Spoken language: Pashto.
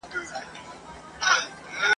خوله په غاښو ښه ښکاري ..